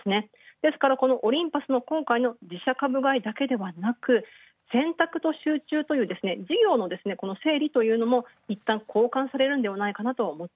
ですからオリンパスの自社株買い選択と集中という事業の整理というのもいったん交換されるのではないか。